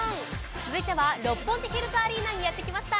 続いては六本木ヒルズアリーナにやってきました。